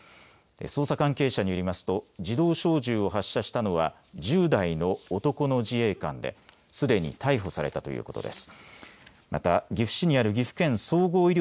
捜査関係者によりますと自動小銃を発射したのは１０代の男の自衛官で、すでに逮捕されたということです。